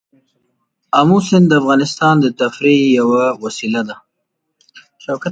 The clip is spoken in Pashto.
آمو سیند د افغانانو د تفریح یوه وسیله ده.